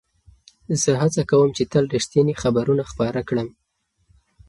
زه هڅه کوم چې تل رښتیني خبرونه خپاره کړم.